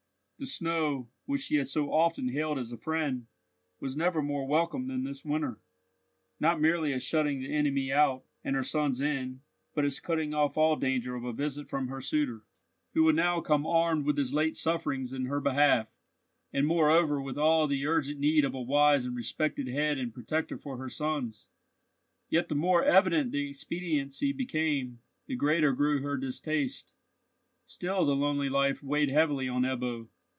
The snow, which she had so often hailed as a friend, was never more welcome than this winter; not merely as shutting the enemy out, and her sons in, but as cutting off all danger of a visit from her suitor, who would now come armed with his late sufferings in her behalf; and, moreover, with all the urgent need of a wise and respected head and protector for her sons. Yet the more evident the expediency became, the greater grew her distaste. Still the lonely life weighed heavily on Ebbo.